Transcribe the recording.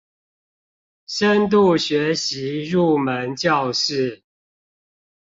深度學習入門教室